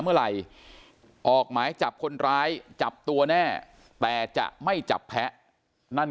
เมื่อไหร่ออกหมายจับคนร้ายจับตัวแน่แต่จะไม่จับแพ้นั่น